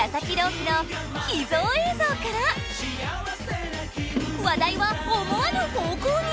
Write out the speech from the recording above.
希の秘蔵映像から話題は思わぬ方向に。